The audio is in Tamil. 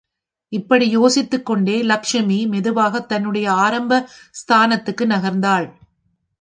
இப்படி யோசித்துக்கொண்டே லக்ஷ்மி மெதுவாகத் தன்னுடைய ஆரம்ப ஸ்தானத்துக்கு நகர்ந்தாள்.